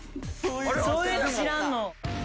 そういうの知らんの。